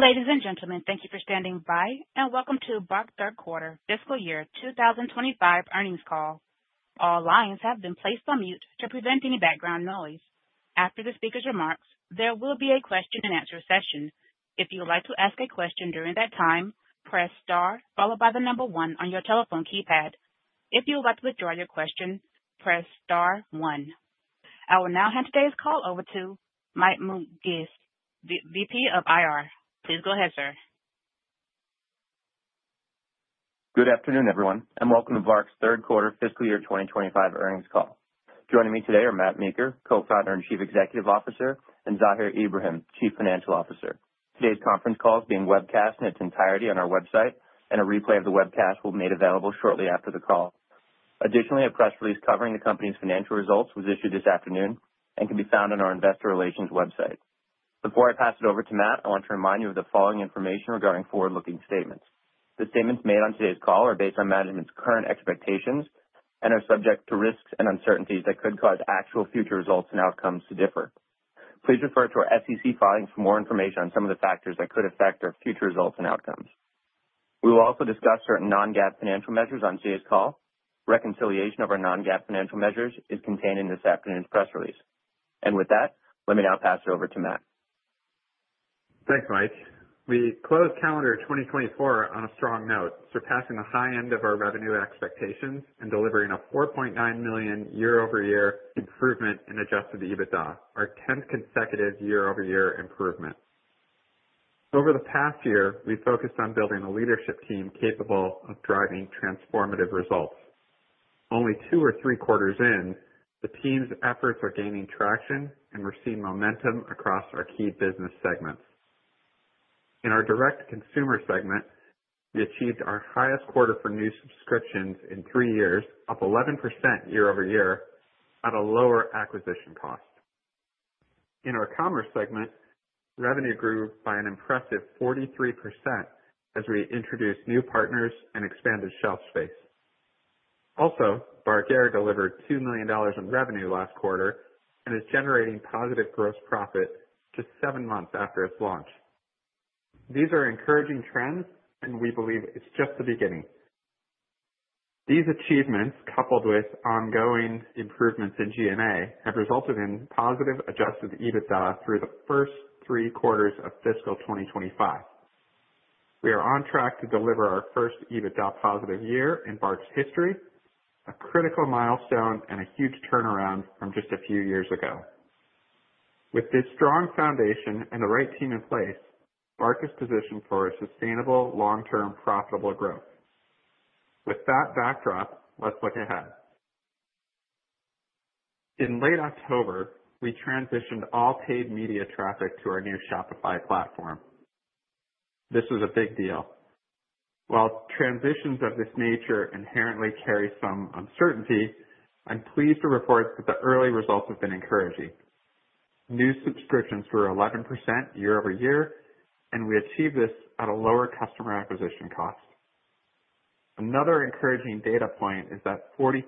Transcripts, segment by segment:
Ladies and gentlemen, thank you for standing by, and welcome to BARK third quarter, fiscal year 2025 earnings call. All lines have been placed on mute to prevent any background noise. After the speaker's remarks, there will be a question-and-answer session. If you would like to ask a question during that time, press star followed by the number one on your telephone keypad. If you would like to withdraw your question, press star one. I will now hand today's call over to Mike Mougias, VP of IR. Please go ahead, sir. Good afternoon, everyone, and welcome to BARK's third quarter, fiscal year 2025 earnings call. Joining me today are Matt Meeker, Co-founder and Chief Executive Officer, and Zahir Ibrahim, Chief Financial Officer. Today's conference call is being webcast in its entirety on our website, and a replay of the webcast will be made available shortly after the call. Additionally, a press release covering the company's financial results was issued this afternoon and can be found on our investor relations website. Before I pass it over to Matt, I want to remind you of the following information regarding forward-looking statements. The statements made on today's call are based on management's current expectations and are subject to risks and uncertainties that could cause actual future results and outcomes to differ. Please refer to our SEC filings for more information on some of the factors that could affect our future results and outcomes. We will also discuss certain non-GAAP financial measures on today's call. Reconciliation of our non-GAAP financial measures is contained in this afternoon's press release. With that, let me now pass it over to Matt. Thanks, Mike. We close calendar 2024 on a strong note, surpassing the high end of our revenue expectations and delivering a $4.9 million year-over-year improvement in adjusted EBITDA, our 10th consecutive year-over-year improvement. Over the past year, we've focused on building a leadership team capable of driving transformative results. Only two or three quarters in, the team's efforts are gaining traction and we're seeing momentum across our key business segments. In our direct-to-consumer segment, we achieved our highest quarter-for-new subscriptions in three years, up 11% year-over-year at a lower acquisition cost. In our commerce segment, revenue grew by an impressive 43% as we introduced new partners and expanded shelf space. Also, BARK Air delivered $2 million in revenue last quarter and is generating positive gross profit just seven months after its launch. These are encouraging trends, and we believe it's just the beginning. These achievements, coupled with ongoing improvements in G&A, have resulted in positive adjusted EBITDA through the first three quarters of fiscal 2025. We are on track to deliver our first EBITDA positive year in BARK's history, a critical milestone and a huge turnaround from just a few years ago. With this strong foundation and the right team in place, BARK is positioned for sustainable, long-term, profitable growth. With that backdrop, let's look ahead. In late October, we transitioned all paid media traffic to our new Shopify platform. This was a big deal. While transitions of this nature inherently carry some uncertainty, I'm pleased to report that the early results have been encouraging. New subscriptions grew 11% year-over-year, and we achieved this at a lower customer acquisition cost. Another encouraging data point is that 43%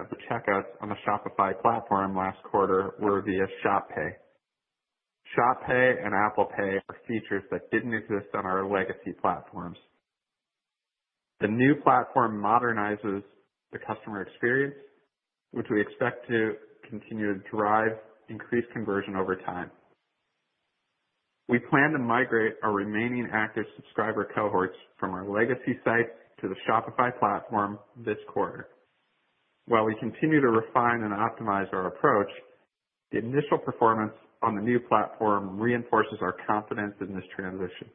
of the checkouts on the Shopify platform last quarter were via ShopPay. ShopPay and Apple Pay are features that did not exist on our legacy platforms. The new platform modernizes the customer experience, which we expect to continue to drive increased conversion over time. We plan to migrate our remaining active subscriber cohorts from our legacy site to the Shopify platform this quarter. While we continue to refine and optimize our approach, the initial performance on the new platform reinforces our confidence in this transition.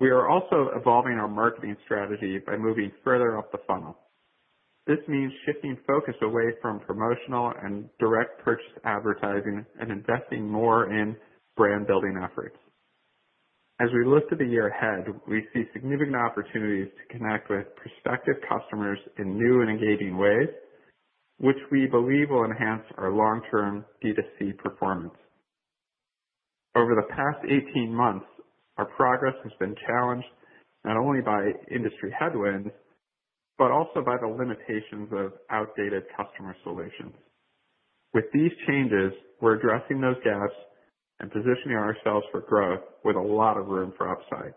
We are also evolving our marketing strategy by moving further up the funnel. This means shifting focus away from promotional and direct purchase advertising and investing more in brand-building efforts. As we look to the year ahead, we see significant opportunities to connect with prospective customers in new and engaging ways, which we believe will enhance our long-term B2C performance. Over the past 18 months, our progress has been challenged not only by industry headwinds but also by the limitations of outdated customer solutions. With these changes, we're addressing those gaps and positioning ourselves for growth with a lot of room for upside.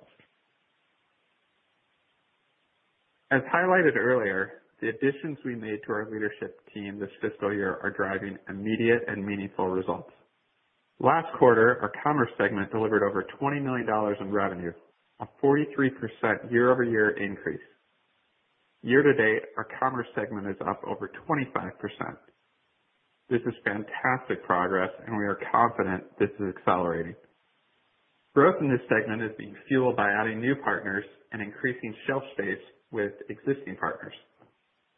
As highlighted earlier, the additions we made to our leadership team this fiscal year are driving immediate and meaningful results. Last quarter, our commerce segment delivered over $20 million in revenue, a 43% year-over-year increase. Year to date, our commerce segment is up over 25%. This is fantastic progress, and we are confident this is accelerating. Growth in this segment is being fueled by adding new partners and increasing shelf space with existing partners.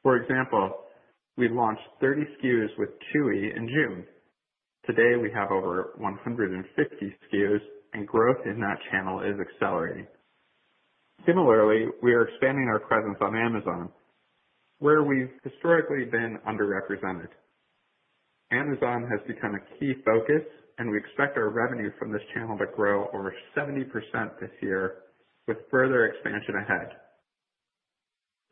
For example, we launched 30 SKUs with Chewy in June. Today, we have over 150 SKUs, and growth in that channel is accelerating. Similarly, we are expanding our presence on Amazon, where we've historically been underrepresented. Amazon has become a key focus, and we expect our revenue from this channel to grow over 70% this year with further expansion ahead.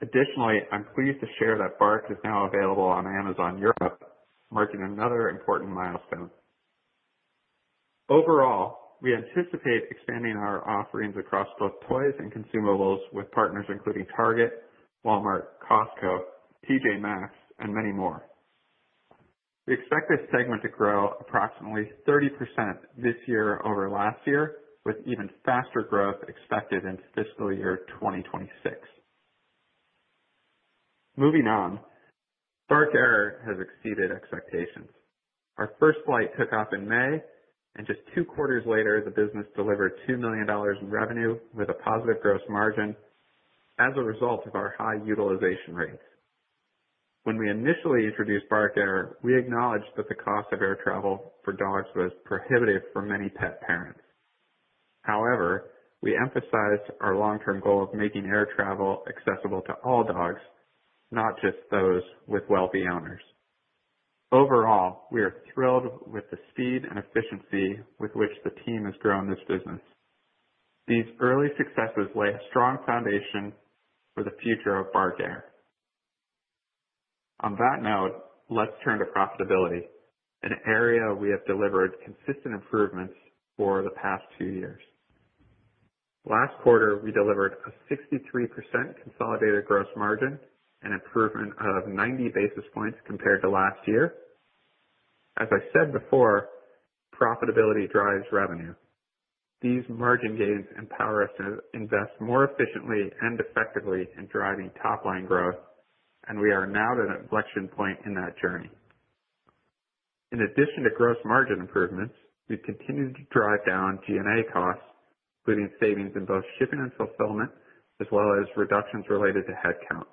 Additionally, I'm pleased to share that BARK is now available on Amazon Europe, marking another important milestone. Overall, we anticipate expanding our offerings across both toys and consumables with partners including Target, Walmart, Costco, T.J. Maxx, and many more. We expect this segment to grow approximately 30% this year over last year, with even faster growth expected into fiscal year 2026. Moving on, BARK Air has exceeded expectations. Our first flight took off in May, and just two quarters later, the business delivered $2 million in revenue with a positive gross margin as a result of our high utilization rates. When we initially introduced BARK Air, we acknowledged that the cost of air travel for dogs was prohibitive for many pet parents. However, we emphasized our long-term goal of making air travel accessible to all dogs, not just those with wealthy owners. Overall, we are thrilled with the speed and efficiency with which the team has grown this business. These early successes lay a strong foundation for the future of BARK Air. On that note, let's turn to profitability, an area we have delivered consistent improvements for the past two years. Last quarter, we delivered a 63% consolidated gross margin and improvement of 90 basis points compared to last year. As I said before, profitability drives revenue. These margin gains empower us to invest more efficiently and effectively in driving top-line growth, and we are now at an inflection point in that journey. In addition to gross margin improvements, we've continued to drive down G&A costs, including savings in both shipping and fulfillment, as well as reductions related to headcount.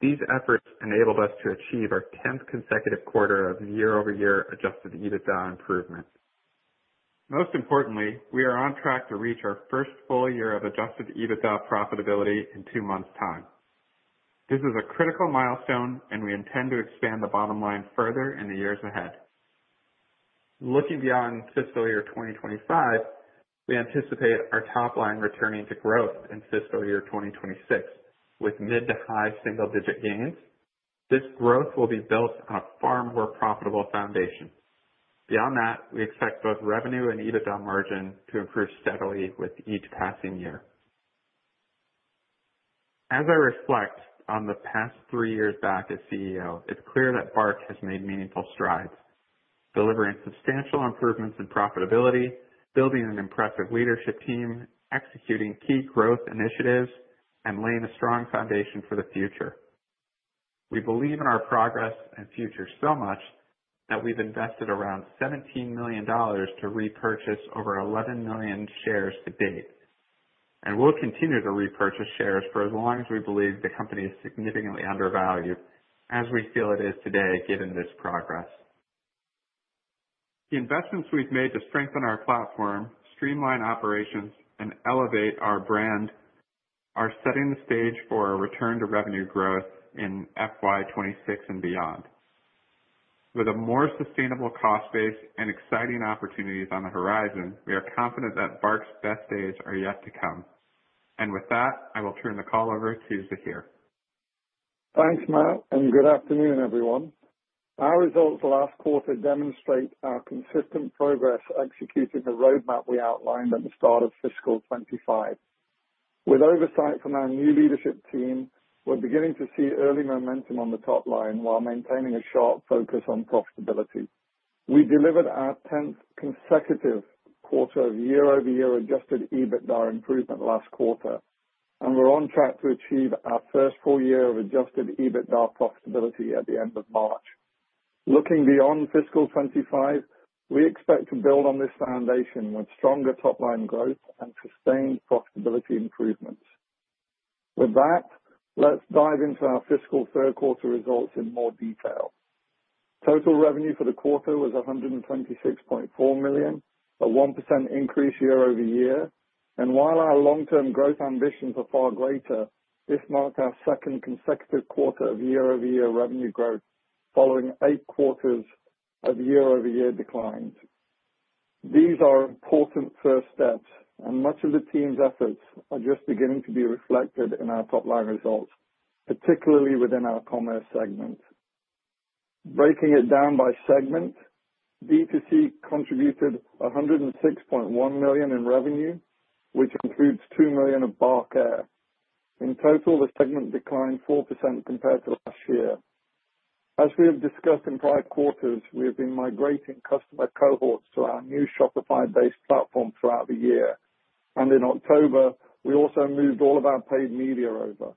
These efforts enabled us to achieve our 10th consecutive quarter of year-over-year adjusted EBITDA improvement. Most importantly, we are on track to reach our first full year of adjusted EBITDA profitability in two months' time. This is a critical milestone, and we intend to expand the bottom line further in the years ahead. Looking beyond fiscal year 2025, we anticipate our top-line returning to growth in fiscal year 2026 with mid to high single-digit gains. This growth will be built on a far more profitable foundation. Beyond that, we expect both revenue and EBITDA margin to improve steadily with each passing year. As I reflect on the past three years back as CEO, it's clear that BARK has made meaningful strides, delivering substantial improvements in profitability, building an impressive leadership team, executing key growth initiatives, and laying a strong foundation for the future. We believe in our progress and future so much that we've invested around $17 million to repurchase over 11 million shares to date, and we'll continue to repurchase shares for as long as we believe the company is significantly undervalued, as we feel it is today given this progress. The investments we've made to strengthen our platform, streamline operations, and elevate our brand are setting the stage for our return to revenue growth in FY 2026 and beyond. With a more sustainable cost base and exciting opportunities on the horizon, we are confident that BARK's best days are yet to come. With that, I will turn the call over to Zahir. Thanks, Matt, and good afternoon, everyone. Our results last quarter demonstrate our consistent progress executing the roadmap we outlined at the start of fiscal 2025. With oversight from our new leadership team, we're beginning to see early momentum on the top line while maintaining a sharp focus on profitability. We delivered our 10th consecutive quarter of year-over-year adjusted EBITDA improvement last quarter, and we're on track to achieve our first full year of adjusted EBITDA profitability at the end of March. Looking beyond fiscal 2025, we expect to build on this foundation with stronger top-line growth and sustained profitability improvements. With that, let's dive into our fiscal third quarter results in more detail. Total revenue for the quarter was $126.4 million, a 1% increase year-over-year, and while our long-term growth ambitions are far greater, this marked our second consecutive quarter of year-over-year revenue growth following eight quarters of year-over-year declines. These are important first steps, and much of the team's efforts are just beginning to be reflected in our top-line results, particularly within our commerce segment. Breaking it down by segment, B2C contributed $106.1 million in revenue, which includes $2 million of BARK Air. In total, the segment declined 4% compared to last year. As we have discussed in prior quarters, we have been migrating customer cohorts to our new Shopify-based platform throughout the year, and in October, we also moved all of our paid media over.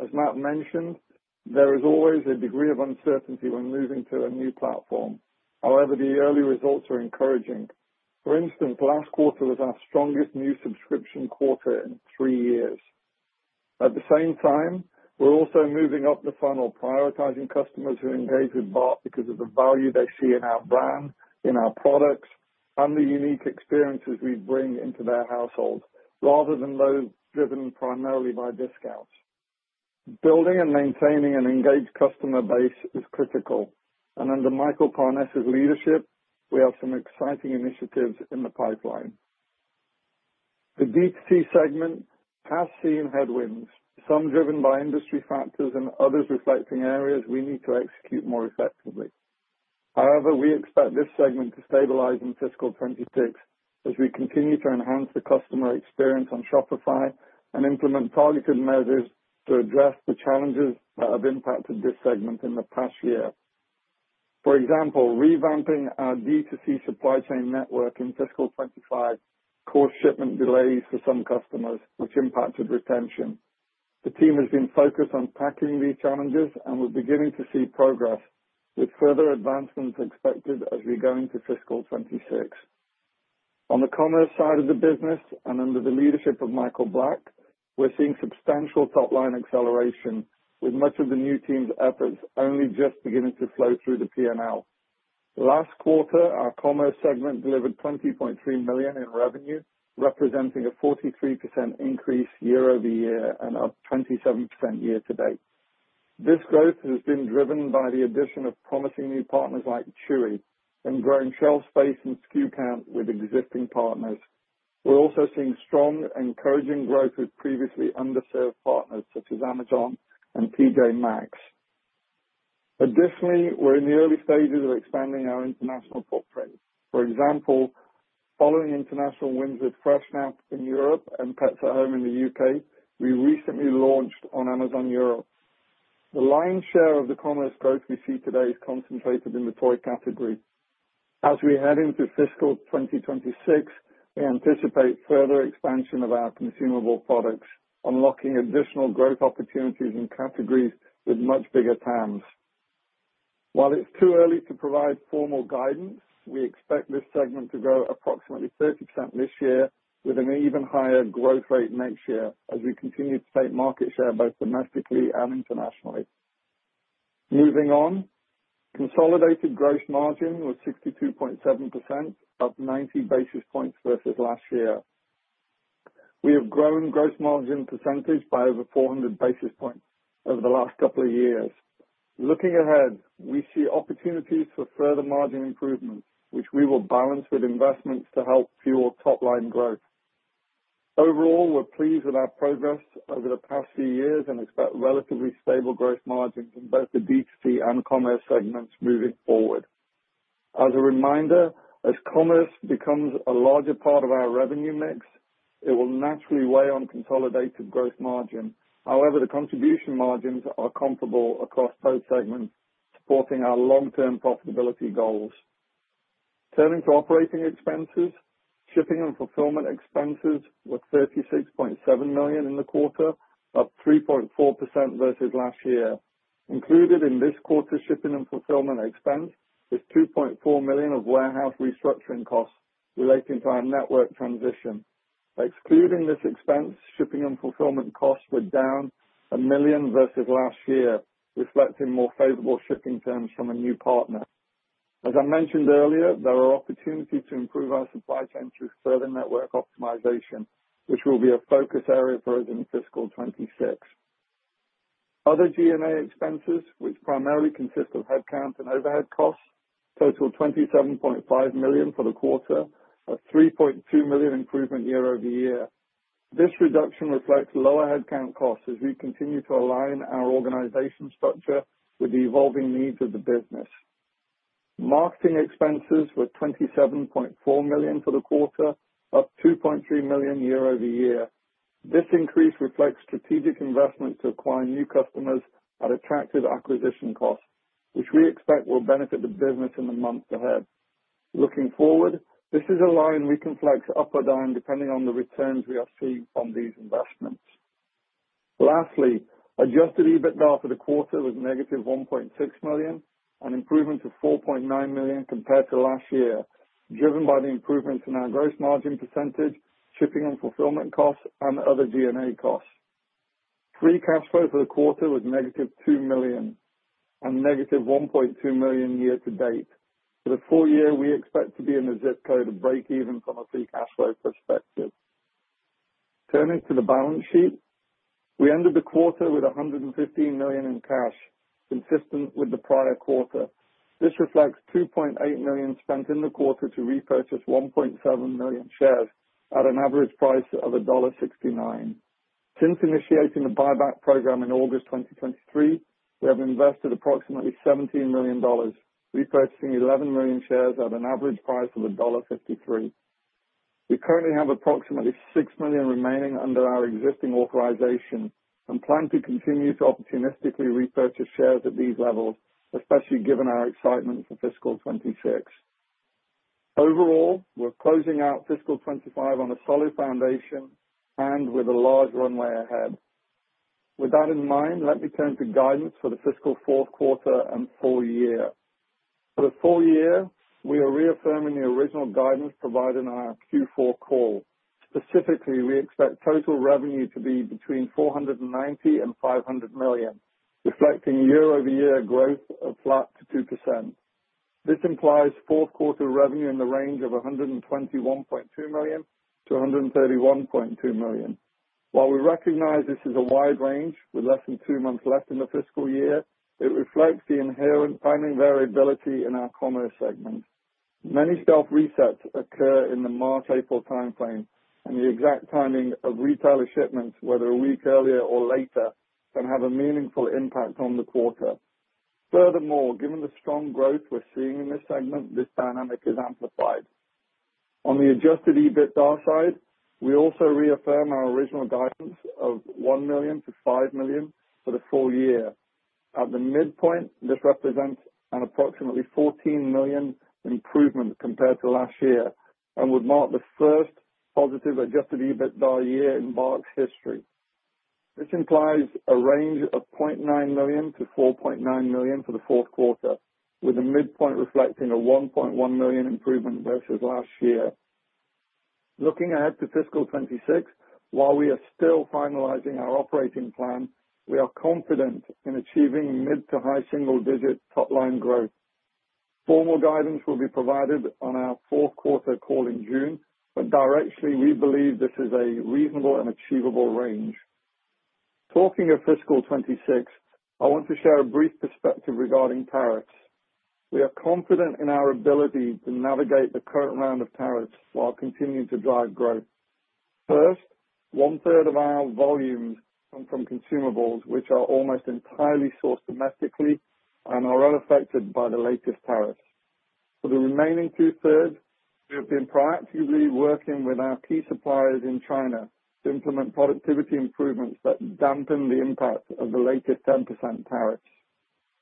As Matt mentioned, there is always a degree of uncertainty when moving to a new platform. However, the early results are encouraging. For instance, last quarter was our strongest new subscription quarter in three years. At the same time, we're also moving up the funnel, prioritizing customers who engage with BARK because of the value they see in our brand, in our products, and the unique experiences we bring into their households, rather than those driven primarily by discounts. Building and maintaining an engaged customer base is critical, and under Michael Parnes' leadership, we have some exciting initiatives in the pipeline. The B2C segment has seen headwinds, some driven by industry factors and others reflecting areas we need to execute more effectively. However, we expect this segment to stabilize in fiscal 2026 as we continue to enhance the customer experience on Shopify and implement targeted measures to address the challenges that have impacted this segment in the past year. For example, revamping our D2C supply chain network in fiscal 2025 caused shipment delays for some customers, which impacted retention. The team has been focused on tackling these challenges, and we're beginning to see progress with further advancements expected as we go into fiscal 2026. On the commerce side of the business, and under the leadership of Michael Black, we're seeing substantial top-line acceleration, with much of the new team's efforts only just beginning to flow through the P&L. Last quarter, our commerce segment delivered $20.3 million in revenue, representing a 43% increase year-over-year and up 27% year to date. This growth has been driven by the addition of promising new partners like Chewy and growing shelf space and SKU count with existing partners. We're also seeing strong and encouraging growth with previously underserved partners such as Amazon and T.J. Maxx. Additionally, we're in the early stages of expanding our international footprint. For example, following international wins with FreshNap and Pets at Home in the U.K., we recently launched on Amazon Europe. The lion's share of the commerce growth we see today is concentrated in the toy category. As we head into fiscal 2026, we anticipate further expansion of our consumable products, unlocking additional growth opportunities in categories with much bigger TAMs. While it's too early to provide formal guidance, we expect this segment to grow approximately 30% this year, with an even higher growth rate next year as we continue to take market share both domestically and internationally. Moving on, consolidated gross margin was 62.7%, up 90 basis points versus last year. We have grown gross margin percentage by over 400 basis points over the last couple of years. Looking ahead, we see opportunities for further margin improvements, which we will balance with investments to help fuel top-line growth. Overall, we're pleased with our progress over the past few years and expect relatively stable gross margins in both the B2C and commerce segments moving forward. As a reminder, as commerce becomes a larger part of our revenue mix, it will naturally weigh on consolidated gross margin. However, the contribution margins are comparable across both segments, supporting our long-term profitability goals. Turning to operating expenses, shipping and fulfillment expenses were $36.7 million in the quarter, up 3.4% versus last year. Included in this quarter's shipping and fulfillment expense is $2.4 million of warehouse restructuring costs relating to our network transition. Excluding this expense, shipping and fulfillment costs were down a million versus last year, reflecting more favorable shipping terms from a new partner. As I mentioned earlier, there are opportunities to improve our supply chain through further network optimization, which will be a focus area for us in fiscal 2026. Other G&A expenses, which primarily consist of headcount and overhead costs, total $27.5 million for the quarter, a $3.2 million improvement year-over-year. This reduction reflects lower headcount costs as we continue to align our organization structure with the evolving needs of the business. Marketing expenses were $27.4 million for the quarter, up $2.3 million year-over-year. This increase reflects strategic investments to acquire new customers at attractive acquisition costs, which we expect will benefit the business in the months ahead. Looking forward, this is a line we can flex up or down depending on the returns we are seeing from these investments. Lastly, adjusted EBITDA for the quarter was negative $1.6 million and improvement to $4.9 million compared to last year, driven by the improvements in our gross margin percentage, shipping and fulfillment costs, and other G&A costs. Free cash flow for the quarter was negative $2 million and negative $1.2 million year to date. For the full year, we expect to be in the zip code of break-even from a free cash flow perspective. Turning to the balance sheet, we ended the quarter with $115 million in cash, consistent with the prior quarter. This reflects $2.8 million spent in the quarter to repurchase 1.7 million shares at an average price of $1.69. Since initiating the buyback program in August 2023, we have invested approximately $17 million, repurchasing 11 million shares at an average price of $1.53. We currently have approximately $6 million remaining under our existing authorization and plan to continue to opportunistically repurchase shares at these levels, especially given our excitement for fiscal 2026. Overall, we're closing out fiscal 2025 on a solid foundation and with a large runway ahead. With that in mind, let me turn to guidance for the fiscal fourth quarter and full year. For the full year, we are reaffirming the original guidance provided in our Q4 call. Specifically, we expect total revenue to be between $490 million and $500 million, reflecting year-over-year growth of flat to 2%. This implies fourth quarter revenue in the range of $121.2 million-$131.2 million. While we recognize this is a wide range with less than two months left in the fiscal year, it reflects the inherent timing variability in our commerce segment. Many shelf resets occur in the March-April timeframe, and the exact timing of retailer shipments, whether a week earlier or later, can have a meaningful impact on the quarter. Furthermore, given the strong growth we're seeing in this segment, this dynamic is amplified. On the adjusted EBITDA side, we also reaffirm our original guidance of $1 million-$5 million for the full year. At the midpoint, this represents an approximately $14 million improvement compared to last year and would mark the first positive adjusted EBITDA year in BARK's history. This implies a range of $0.9 million-$4.9 million for the fourth quarter, with the midpoint reflecting a $1.1 million improvement versus last year. Looking ahead to fiscal 2026, while we are still finalizing our operating plan, we are confident in achieving mid to high single-digit top-line growth. Formal guidance will be provided on our fourth quarter call in June, but directly, we believe this is a reasonable and achievable range. Talking of fiscal 2026, I want to share a brief perspective regarding tariffs. We are confident in our ability to navigate the current round of tariffs while continuing to drive growth. First, one-third of our volumes come from consumables, which are almost entirely sourced domestically and are unaffected by the latest tariffs. For the remaining two-thirds, we have been proactively working with our key suppliers in China to implement productivity improvements that dampen the impact of the latest 10% tariffs.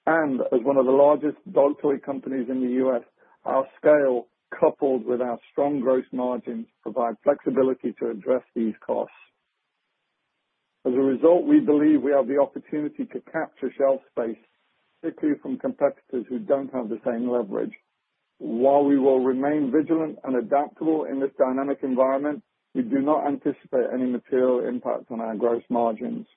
As one of the largest dog toy companies in the US, our scale, coupled with our strong gross margins, provides flexibility to address these costs. As a result, we believe we have the opportunity to capture shelf space, particularly from competitors who do not have the same leverage. While we will remain vigilant and adaptable in this dynamic environment, we do not anticipate any material impact on our gross margins.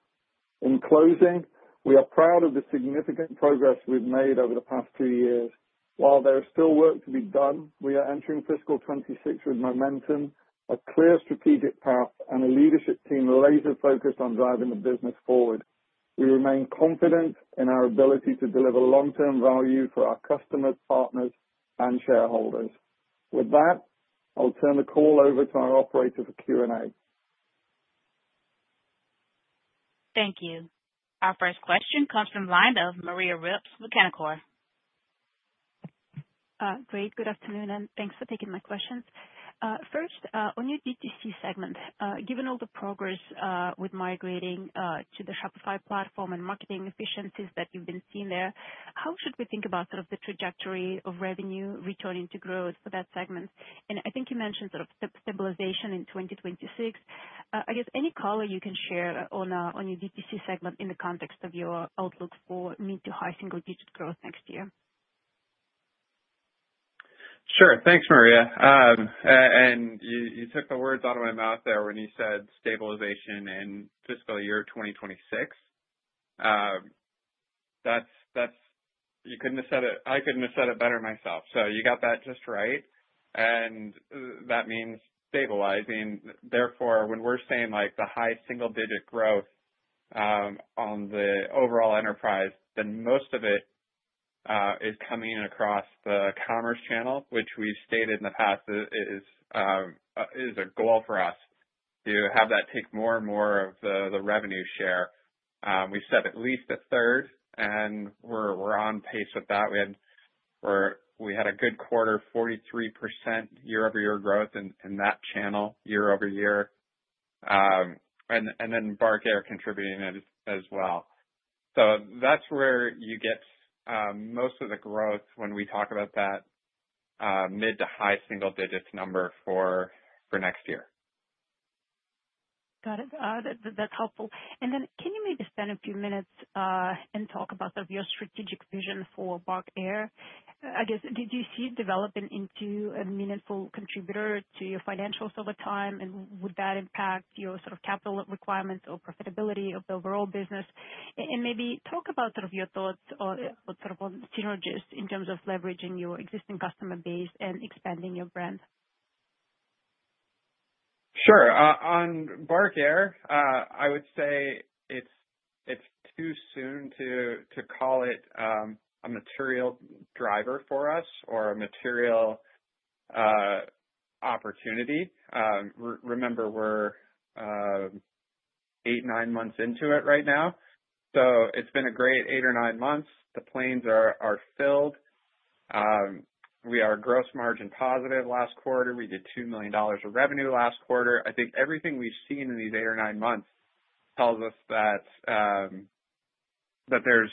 In closing, we are proud of the significant progress we have made over the past two years. While there is still work to be done, we are entering fiscal 2026 with momentum, a clear strategic path, and a leadership team laser-focused on driving the business forward. We remain confident in our ability to deliver long-term value for our customers, partners, and shareholders. With that, I'll turn the call over to our operator for Q&A. Thank you. Our first question comes from Maria Ripps of Canaccord. Great. Good afternoon, and thanks for taking my questions. First, on your D2C segment, given all the progress with migrating to the Shopify platform and marketing efficiencies that you've been seeing there, how should we think about sort of the trajectory of revenue returning to growth for that segment? I think you mentioned sort of stabilization in 2026. I guess any color you can share on your D2C segment in the context of your outlook for mid to high single-digit growth next year? Sure. Thanks, Maria. You took the words out of my mouth there when you said stabilization in fiscal year 2026. You could not have said it better myself. You got that just right. That means stabilizing. Therefore, when we are saying the high single-digit growth on the overall enterprise, most of it is coming across the commerce channel, which we have stated in the past is a goal for us to have that take more and more of the revenue share. We set at least a third, and we are on pace with that. We had a good quarter, 43% year-over-year growth in that channel year-over-year. BARK Air contributing as well. That is where you get most of the growth when we talk about that mid to high single-digit number for next year. Got it. That is helpful. Can you maybe spend a few minutes and talk about sort of your strategic vision for BARK Air? I guess, did you see it developing into a meaningful contributor to your financials over time, and would that impact your sort of capital requirements or profitability of the overall business? Maybe talk about your thoughts on synergies in terms of leveraging your existing customer base and expanding your brand. Sure. On BARK Air, I would say it is too soon to call it a material driver for us or a material opportunity. Remember, we are eight, nine months into it right now. It has been a great eight or nine months. The planes are filled. We are gross margin positive last quarter. We did $2 million of revenue last quarter. I think everything we've seen in these eight or nine months tells us that there's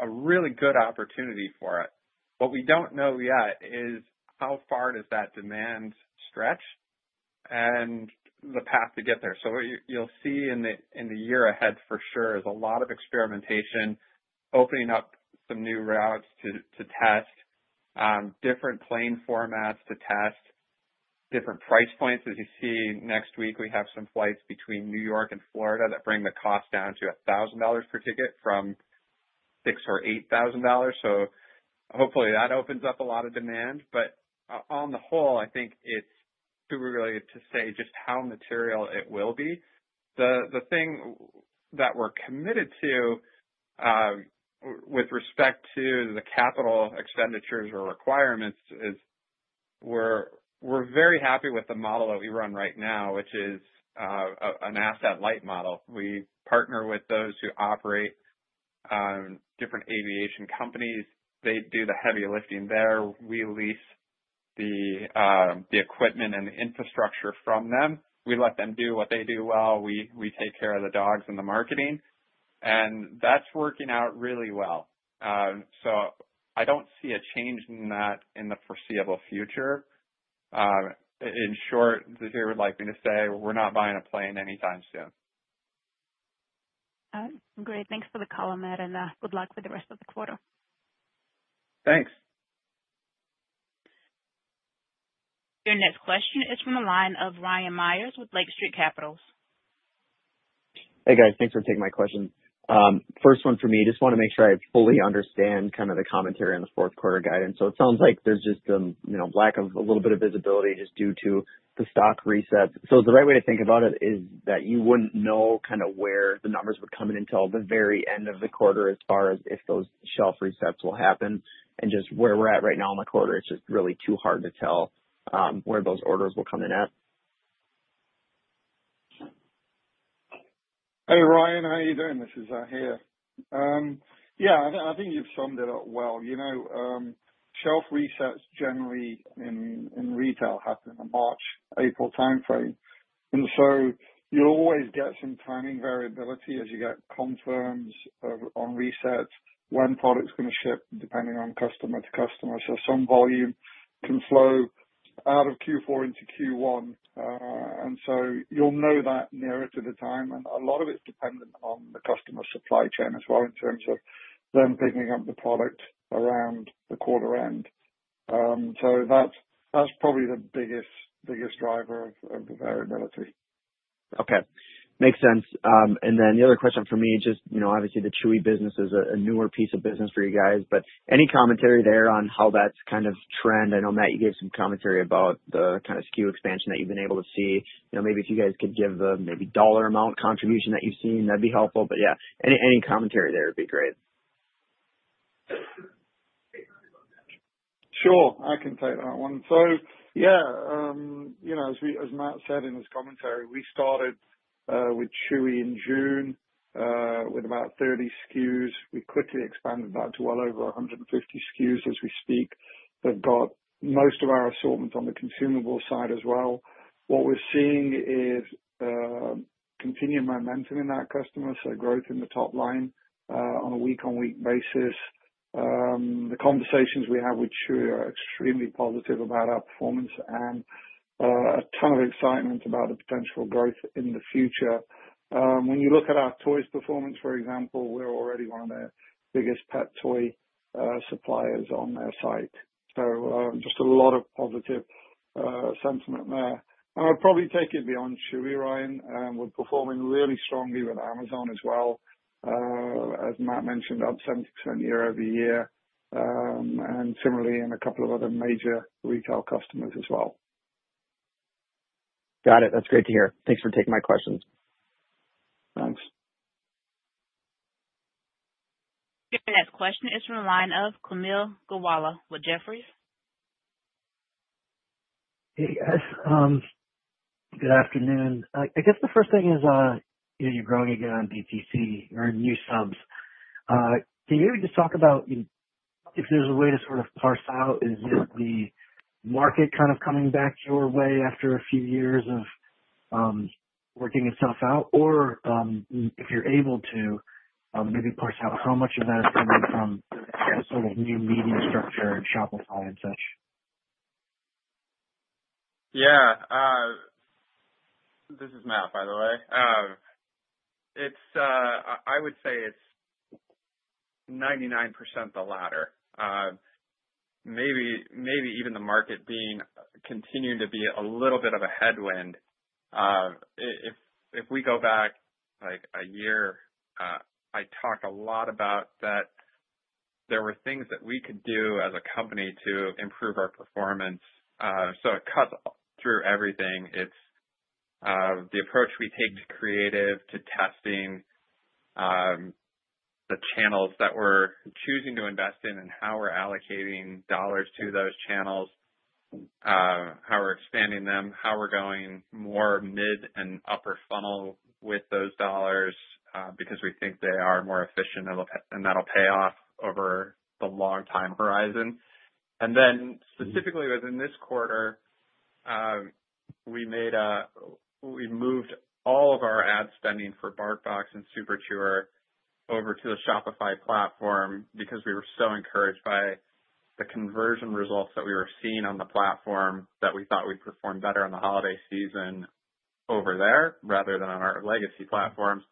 a really good opportunity for it. What we don't know yet is how far does that demand stretch and the path to get there. What you'll see in the year ahead for sure is a lot of experimentation, opening up some new routes to test, different plane formats to test, different price points. As you see, next week we have some flights between New York and Florida that bring the cost down to $1,000 per ticket from $6,000 or $8,000. Hopefully that opens up a lot of demand. On the whole, I think it's too early to say just how material it will be. The thing that we're committed to with respect to the capital expenditures or requirements is we're very happy with the model that we run right now, which is an asset light model. We partner with those who operate different aviation companies. They do the heavy lifting there. We lease the equipment and the infrastructure from them. We let them do what they do well. We take care of the dogs and the marketing. That is working out really well. I do not see a change in that in the foreseeable future. In short, Zahir would like me to say, "We're not buying a plane anytime soon." Great. Thanks for the call, Matt, and good luck with the rest of the quarter. Thanks. Your next question is from the line of Ryan Meyers with Lake Street Capitals. Hey, guys. Thanks for taking my question. First one for me, just want to make sure I fully understand kind of the commentary on the fourth quarter guidance. It sounds like there's just a lack of a little bit of visibility just due to the stock resets. The right way to think about it is that you wouldn't know kind of where the numbers would come in until the very end of the quarter as far as if those shelf resets will happen. Just where we're at right now in the quarter, it's just really too hard to tell where those orders will come in at. Hey, Ryan. How are you doing? This is Zahir. Yeah, I think you've summed it up well. Shelf resets generally in retail happen in the March-April timeframe. You'll always get some timing variability as you get confirms on resets, when product's going to ship depending on customer to customer. Some volume can flow out of Q4 into Q1. You'll know that nearer to the time. A lot of it's dependent on the customer supply chain as well in terms of them picking up the product around the quarter end. That's probably the biggest driver of the variability. Okay. Makes sense. The other question for me, just obviously the Chewy business is a newer piece of business for you guys. Any commentary there on how that's kind of trend? I know, Matt, you gave some commentary about the kind of SKU expansion that you've been able to see. Maybe if you guys could give the maybe dollar amount contribution that you've seen, that'd be helpful. But yeah, any commentary there would be great. Sure. I can take that one. So yeah, as Matt said in his commentary, we started with Chewy in June with about 30 SKUs. We quickly expanded that to well over 150 SKUs as we speak. They've got most of our assortment on the consumable side as well. What we're seeing is continued momentum in that customer, so growth in the top line on a week-on-week basis. The conversations we have with Chewy are extremely positive about our performance and a ton of excitement about the potential growth in the future. When you look at our toys performance, for example, we're already one of their biggest pet toy suppliers on their site. Just a lot of positive sentiment there. I'd probably take it beyond Chewy, Ryan. We're performing really strongly with Amazon as well. As Matt mentioned, up 70% year-over-year. Similarly, in a couple of other major retail customers as well. Got it. That's great to hear. Thanks for taking my questions. Thanks. Your next question is from the line of Kaumil Gajrawala with Jefferies. Hey, guys. Good afternoon. I guess the first thing is you're growing again on D2C or new subs. Can you maybe just talk about if there's a way to sort of parse out, is it the market kind of coming back your way after a few years of working itself out? Or if you're able to, maybe parse out how much of that is coming from sort of new media structure and Shopify and such. Yeah. This is Matt, by the way. I would say it's 99% the latter. Maybe even the market being continuing to be a little bit of a headwind. If we go back a year, I talked a lot about that there were things that we could do as a company to improve our performance. It cuts through everything. It's the approach we take to creative, to testing, the channels that we're choosing to invest in, and how we're allocating dollars to those channels, how we're expanding them, how we're going more mid and upper funnel with those dollars because we think they are more efficient and that'll pay off over the long-time horizon. Specifically within this quarter, we moved all of our ad spending for BarkBox and Super Chewer over to the Shopify platform because we were so encouraged by the conversion results that we were seeing on the platform that we thought we'd perform better on the holiday season over there rather than on our legacy platforms.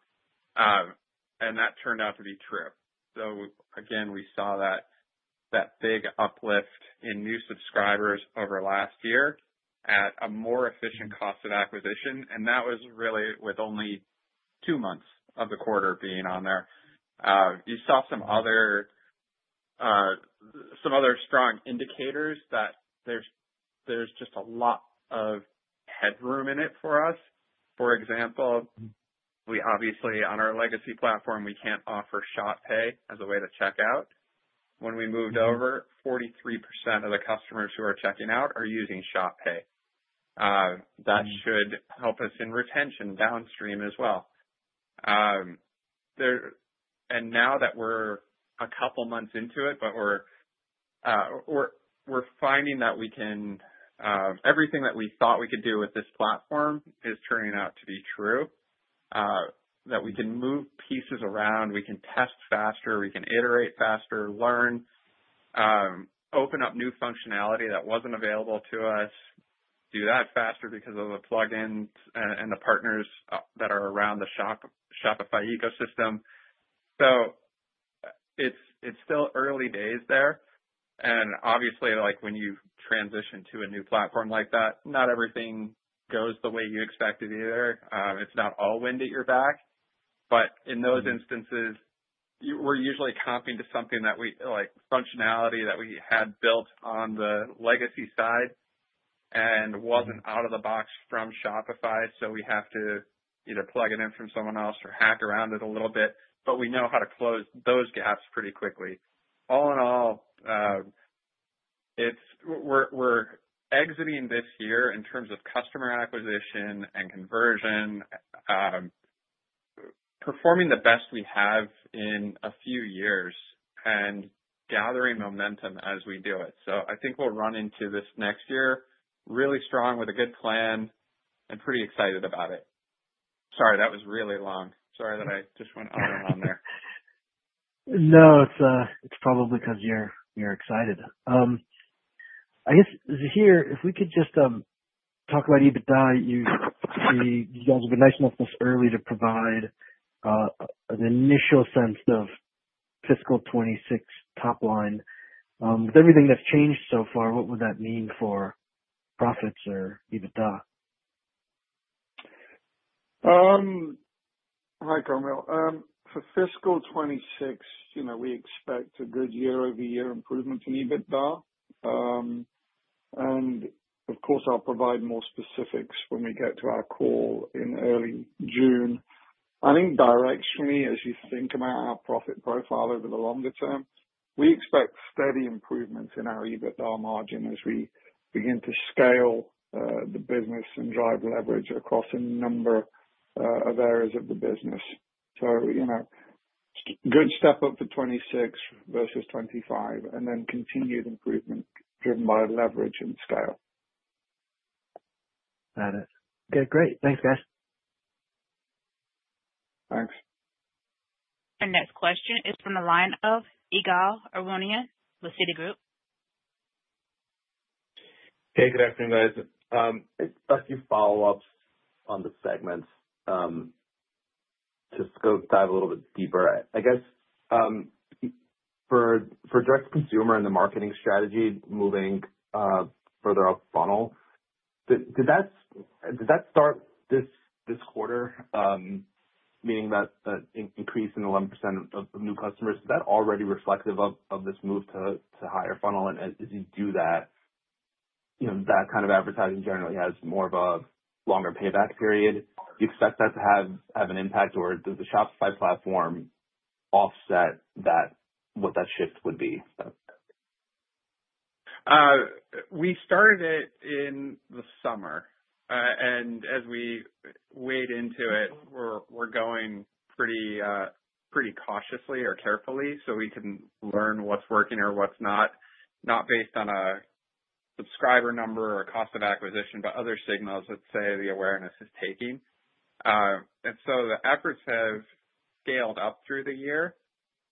That turned out to be true. Again, we saw that big uplift in new subscribers over last year at a more efficient cost of acquisition. That was really with only two months of the quarter being on there. You saw some other strong indicators that there's just a lot of headroom in it for us. For example, obviously on our legacy platform, we can't offer ShopPay as a way to check out. When we moved over, 43% of the customers who are checking out are using ShopPay. That should help us in retention downstream as well. Now that we're a couple months into it, we're finding that everything that we thought we could do with this platform is turning out to be true, that we can move pieces around, we can test faster, we can iterate faster, learn, open up new functionality that was not available to us, do that faster because of the plugins and the partners that are around the Shopify ecosystem. It is still early days there. Obviously, when you transition to a new platform like that, not everything goes the way you expected either. It is not all wind at your back. In those instances, we're usually copying to something that we functionality that we had built on the legacy side and was not out of the box from Shopify. We have to either plug it in from someone else or hack around it a little bit. We know how to close those gaps pretty quickly. All in all, we're exiting this year in terms of customer acquisition and conversion, performing the best we have in a few years, and gathering momentum as we do it. I think we'll run into this next year really strong with a good plan and pretty excited about it. Sorry, that was really long. Sorry that I just went on and on there. No, it's probably because you're excited. I guess, Zahir, if we could just talk about you, but you guys have been nice enough this early to provide an initial sense of fiscal 2026 top line. With everything that's changed so far, what would that mean for profits or EBITDA? Hi, Kaumil. For fiscal 2026, we expect a good year-over-year improvement in EBITDA. Of course, I'll provide more specifics when we get to our call in early June. I think directionally, as you think about our profit profile over the longer term, we expect steady improvements in our EBITDA margin as we begin to scale the business and drive leverage across a number of areas of the business. Good step up for 2026 versus 2025, and then continued improvement driven by leverage and scale. Got it. Okay. Great. Thanks, guys. Thanks. Our next question is from the line of Ygal Arounian with Citi Group. Hey, good afternoon, guys. A few follow-ups on the segments to dive a little bit deeper. I guess for direct-to-consumer and the marketing strategy, moving further up funnel, did that start this quarter, meaning that increase in 11% of new customers, is that already reflective of this move to higher funnel? As you do that, that kind of advertising generally has more of a longer payback period. Do you expect that to have an impact, or does the Shopify platform offset what that shift would be? We started it in the summer. As we wade into it, we're going pretty cautiously or carefully so we can learn what's working or what's not, not based on a subscriber number or cost of acquisition, but other signals that say the awareness is taking. The efforts have scaled up through the year.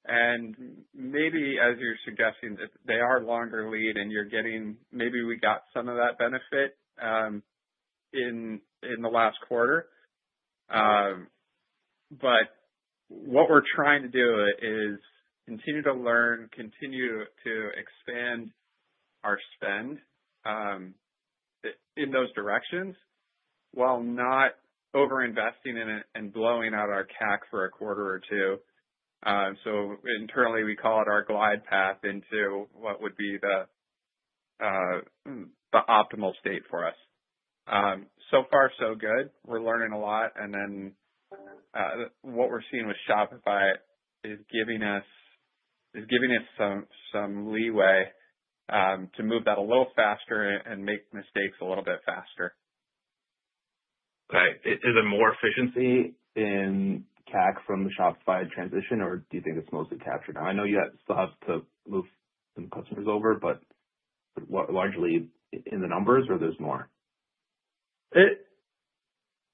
Maybe as you're suggesting, they are longer lead, and maybe we got some of that benefit in the last quarter. What we're trying to do is continue to learn, continue to expand our spend in those directions while not overinvesting in it and blowing out our CAC for a quarter or two. Internally, we call it our glide path into what would be the optimal state for us. So far, so good. We're learning a lot. What we're seeing with Shopify is giving us some leeway to move that a little faster and make mistakes a little bit faster. Okay. Is it more efficiency in CAC from the Shopify transition, or do you think it's mostly captured now? I know you still have to move some customers over, but largely in the numbers, or there's more?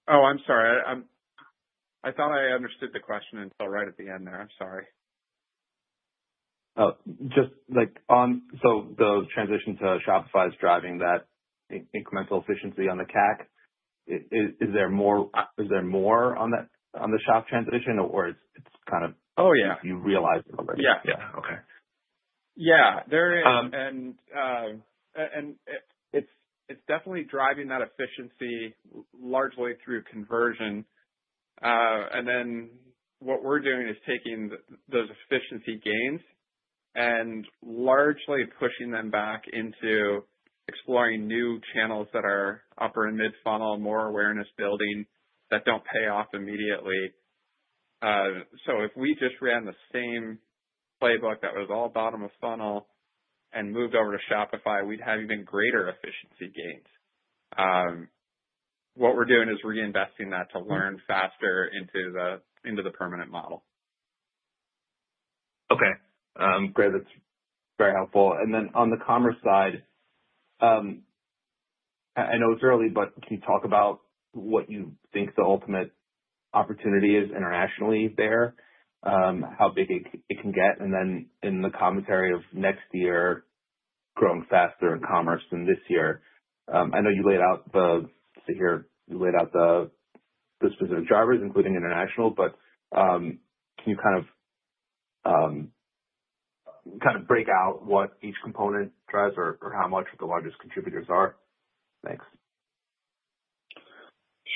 Oh, I'm sorry. I thought I understood the question until right at the end there. I'm sorry. Just so the transition to Shopify is driving that incremental efficiency on the CAC. Is there more on the shop transition, or it's kind of you realize it already? Yeah. Yeah. Okay. Yeah. It's definitely driving that efficiency largely through conversion. What we're doing is taking those efficiency gains and largely pushing them back into exploring new channels that are upper and mid-funnel, more awareness-building that do not pay off immediately. If we just ran the same playbook that was all bottom of funnel and moved over to Shopify, we would have even greater efficiency gains. What we are doing is reinvesting that to learn faster into the permanent model. Okay. Great. That is very helpful. On the commerce side, I know it is early, but can you talk about what you think the ultimate opportunity is internationally there, how big it can get? In the commentary of next year, growing faster in commerce than this year. I know you laid out the Zahir, you laid out the specific drivers, including international, but can you kind of break out what each component drives or how much the largest contributors are? Thanks.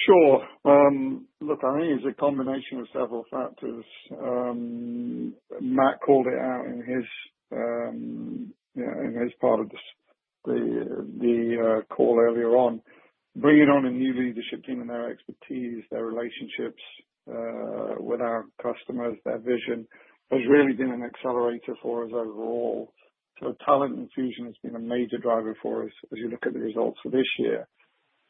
Sure. Look, I think it's a combination of several factors. Matt called it out in his part of the call earlier on. Bringing on a new leadership team and their expertise, their relationships with our customers, their vision has really been an accelerator for us overall. Talent infusion has been a major driver for us as you look at the results for this year.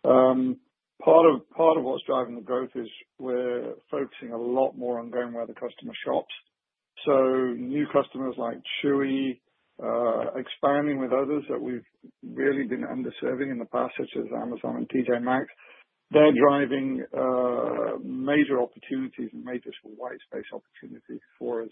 Part of what's driving the growth is we're focusing a lot more on going where the customer shops. New customers like Chewy, expanding with others that we've really been underserving in the past, such as Amazon and T.J. Maxx. They're driving major opportunities and major white space opportunities for us.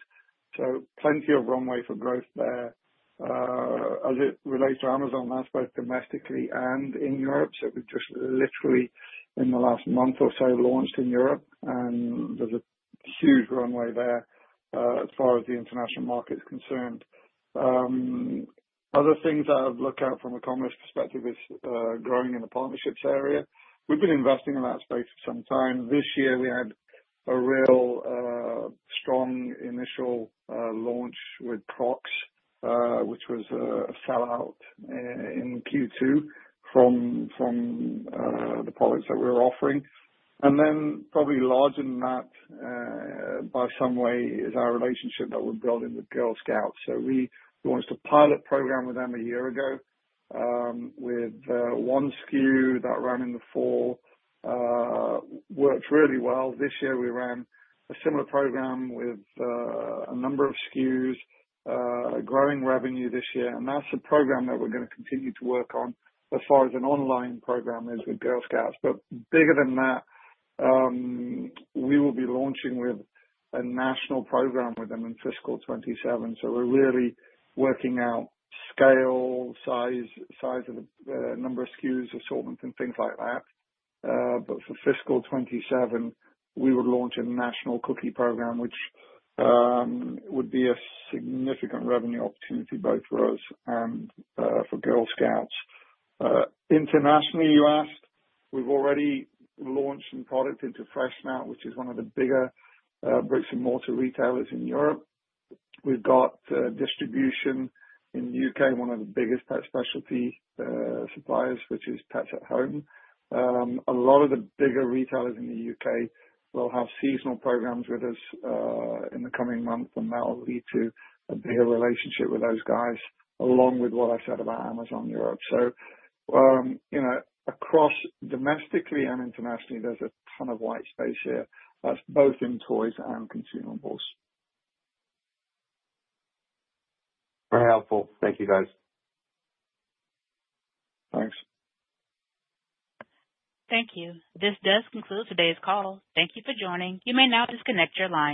Plenty of runway for growth there as it relates to Amazon, that's both domestically and in Europe. We have just literally, in the last month or so, launched in Europe, and there is a huge runway there as far as the international market is concerned. Other things that I have looked at from a commerce perspective is growing in the partnerships area. We have been investing in that space for some time. This year, we had a real strong initial launch with Crocs, which was a sellout in Q2 from the products that we were offering. Probably larger than that by some way is our relationship that we are building with Girl Scouts. We launched a pilot program with them a year ago with one SKU that ran in the fall, worked really well. This year, we ran a similar program with a number of SKUs, growing revenue this year. That is a program that we are going to continue to work on as far as an online program is with Girl Scouts. Bigger than that, we will be launching with a national program with them in fiscal 2027. We are really working out scale, size of the number of SKUs, assortments, and things like that. For fiscal 2027, we would launch a national cookie program, which would be a significant revenue opportunity both for us and for Girl Scouts. Internationally, you asked, we have already launched some product into FreshNow, which is one of the bigger bricks-and-mortar retailers in Europe. We have distribution in the U.K., one of the biggest pet specialty suppliers, which is Pets at Home. A lot of the bigger retailers in the U.K. will have seasonal programs with us in the coming months, and that will lead to a bigger relationship with those guys, along with what I said about Amazon Europe. Across domestically and internationally, there's a ton of white space here. That's both in toys and consumables. Very helpful. Thank you, guys. Thanks. Thank you. This does conclude today's call. Thank you for joining. You may now disconnect your line.